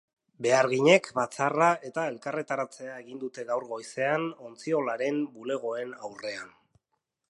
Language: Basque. Beharginek batzarra eta elkarretaratzea egin dute gaur goizean, ontziolaren bulegoen aurrean.